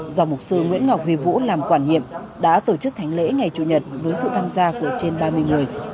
do mục sư nguyễn ngọc huy vũ làm quản nhiệm đã tổ chức thánh lễ ngày chủ nhật với sự tham gia của trên ba mươi người